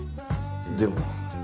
でも。